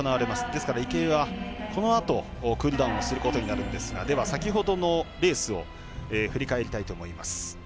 ですから、池江はこのあとクールダウンをすることになるんですがでは、先ほどのレースを振り返りたいと思います。